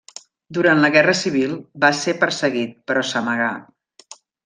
Durant la guerra civil va ser perseguit, però s'amagà.